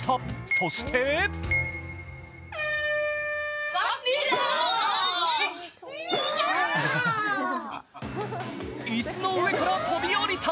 そしていすの上から飛び降りた！